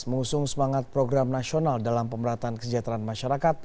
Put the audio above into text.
mengusung semangat program nasional dalam pemerataan kesejahteraan masyarakat